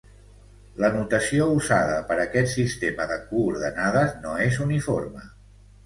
La notació usada per aquest sistema de coordenades no és uniforme.